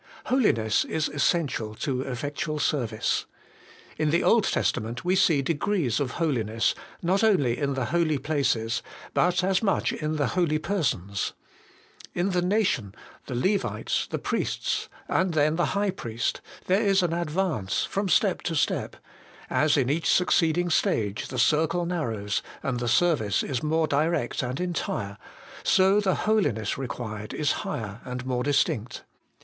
Holiness is essential to effectual service. In the Old Testament we see degrees of holiness, not only in the holy places, but as much in the holy persons. In the nation, the Levites, the priests, and then the High Priest, there is an advance from step to step : as in each succeeding stage the circle narrows, and the service is more direct and entire, so the holiness required is higher and more distinct.